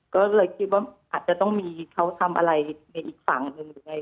ก็เลยคิดว่าอาจจะต้องมีเขาทำอะไรในอีกฝั่งหนึ่งหรือไง